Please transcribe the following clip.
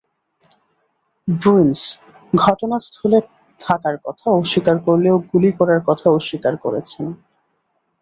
Bruins ঘটনাস্থলে থাকার কথা স্বীকার করলেও গুলি করার কথা অস্বীকার করেছেন।